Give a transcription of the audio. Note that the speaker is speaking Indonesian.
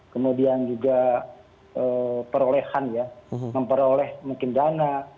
kemudian juga perolehan ya memperoleh mungkin dana